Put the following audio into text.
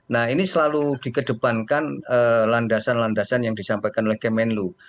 nah ini selalu dikedepankan landasan landasan yang disampaikan oleh kemenlu